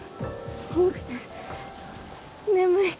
寒くて眠い。